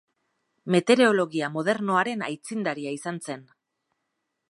Meteorologia modernoaren aitzindaria izan zen.